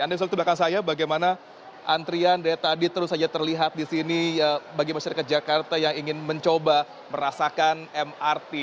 anda bisa lihat di belakang saya bagaimana antrian dari tadi terus saja terlihat di sini bagi masyarakat jakarta yang ingin mencoba merasakan mrt